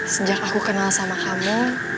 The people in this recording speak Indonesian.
sejak aku kenal sama kamu